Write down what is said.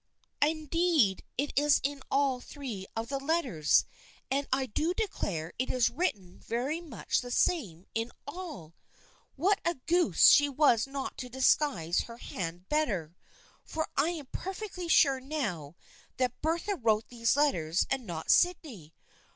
Indeed, it is in all three of the letters, and I do declare it is written very much the same in all ! What a goose she was not to disguise her hand better — for I am perfectly sure now that Bertha wrote these letters and not Sydney.